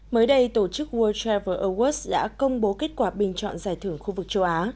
mới đây tổ chức world travel awards đã công bố kết quả bình chọn giải thưởng khu vực châu á